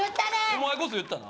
お前こそ言ったな